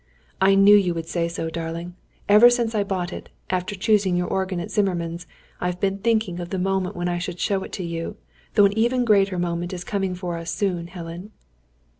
"I knew you would say so, darling. Ever since I bought it, after choosing your organ at Zimmermann's, I have been thinking of the moment when I should show it to you; though an even greater moment is coming for us soon, Helen."